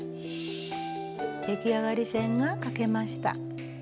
出来上がり線が書けました。